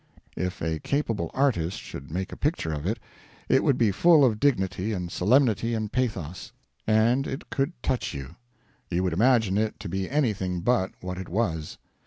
If a capable artist should make a picture of it, it would be full of dignity and solemnity and pathos; and it could touch you. You would imagine it to be anything but what it was.